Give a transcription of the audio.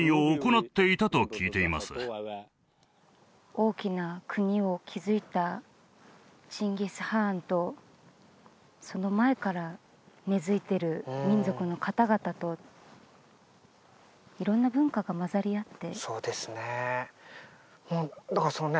大きな国を築いたチンギス・ハーンとその前から根づいてる民族の方々と色んな文化がまざり合ってそうですねだからそのね